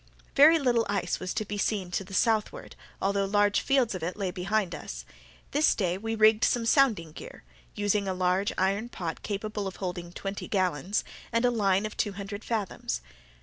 Very little ice was to be seen to the southward, although large fields of it lay behind us. This day we rigged some sounding gear, using a large iron pot capable of holding twenty gallons, and a line of two hundred fathoms.